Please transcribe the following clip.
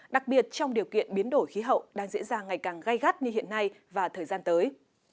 đặc biệt trong điều kiện biến đổi khí hậu đang diễn ra ngày càng gai gắt như hiện nay và thời gian tới